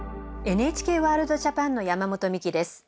「ＮＨＫワールドＪＡＰＡＮ」の山本美希です。